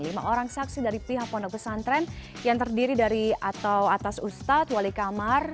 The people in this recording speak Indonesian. lima orang saksi dari pihak pondok pesantren yang terdiri dari atau atas ustadz wali kamar